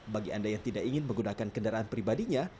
bagi anda yang tidak ingin menggunakan kendaraan pribadinya